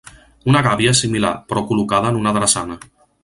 Una gàbia és similar, però col·locada en una drassana.